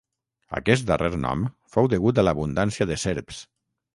Aquest darrer nom fou degut a l'abundància de serps.